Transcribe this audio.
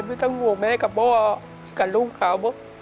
ไม่ต้องห่วงแม่กับพ่อกับลูกเขา